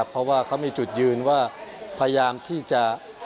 เพราะว่าเขามีจุดยืนว่าพยายามที่จะ